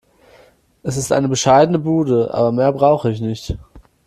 Es ist eine bescheidene Bude, aber mehr brauche ich nicht.